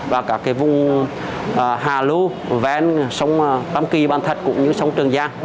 và các vùng hà lưu vén sông tâm kỳ ban thạch cũng như sông trần giang